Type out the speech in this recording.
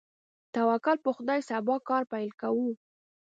توکل په خدای، سبا کار پیل کوو.